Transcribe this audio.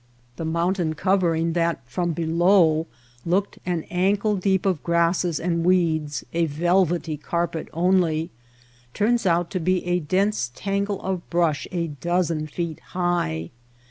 The mountain covering that from below looked an ankle deep of grasses and weeds — a velvety carpet only — turns out to be a dense tangle of brush a dozen feet high.